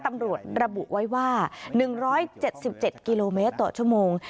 ตำรวจระบุไว้ว่าหนึ่งร้อยเจ็ดสิบเจ็ดกิโลเมตรต่อชั่วโมง